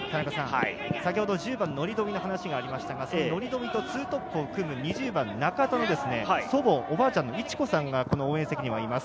１０番・乗冨の話がありましたが乗冨と２トップを組む、２０番・中田の祖母、おばあちゃんのみちこさんが応援席にいます。